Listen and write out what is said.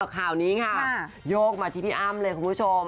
ข่าวนี้ค่ะโยกมาที่พี่อ้ำเลยคุณผู้ชม